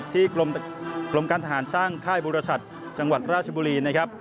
ที่กรมการทหารช่างค่ายบุรชัดจังหวัดราชบุรี